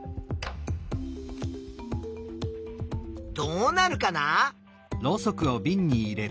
どうなるかな？